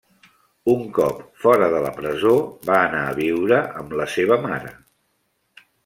Un cop fora de la presó, va anar a viure amb la seva mare.